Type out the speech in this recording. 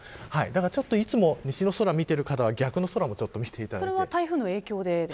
いつも西の空を見ている方は逆の空も見ていただいてほしいです。